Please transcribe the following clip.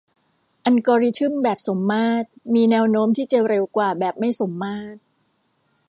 อัลกอริทึมแบบสมมาตรมีแนวโน้มที่จะเร็วกว่าแบบไม่สมมาตร